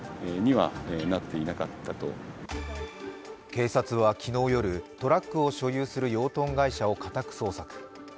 警察は昨日夜、トラックを所有する養豚会社を家宅捜索。